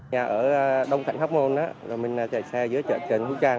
nhà ở đông thành hóc môn rồi mình chạy xe dưới chợ trần hữu trang